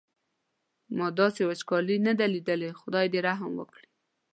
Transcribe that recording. ما داسې وچکالي نه ده لیدلې خدای دې رحم وکړي.